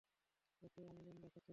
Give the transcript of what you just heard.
তোকে অমলিন দেখাচ্ছে কেন?